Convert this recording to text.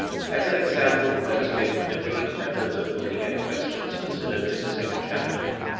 As an example let us take the different methods of looking at questions considered in the second chapter.